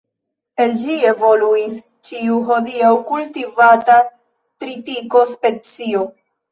El ĝi evoluis ĉiu hodiaŭ kultivata tritiko-specio.